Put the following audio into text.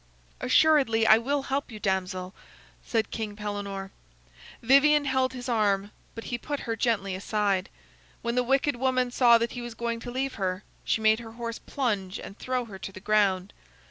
"Assuredly I will help you, damsel," said King Pellenore. Vivien held his arm, but he put her gently aside. When the wicked woman saw that he was going to leave her, she made her horse plunge and throw her to the ground.